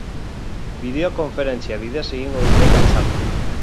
Bideokonferentzia bidez egingo dute batzarra.